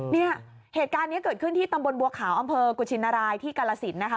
เนี่ยเหตุการณ์นี้เกิดขึ้นที่ตำบลบัวขาวอำเภอกุชินรายที่กาลสินนะคะ